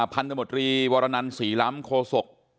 พันธมตรีวรนันศรีล้ำโคศก